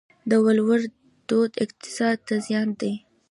د ولور دود اقتصاد ته زیان دی؟